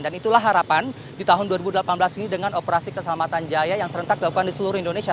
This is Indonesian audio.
dan itulah harapan di tahun dua ribu delapan belas ini dengan operasi keselamatan jaya yang serentak dilakukan di seluruh indonesia